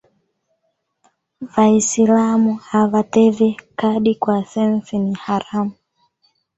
Vaisilamu havatedhi kadi kwa sen'thi. Ni haramu